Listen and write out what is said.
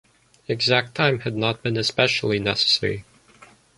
Exact time had not been especially necessary.